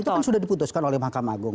itu kan sudah diputuskan oleh mahkamah agung